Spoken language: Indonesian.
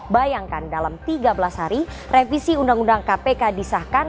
bayangkan dalam tiga belas hari revisi undang undang kpk disahkan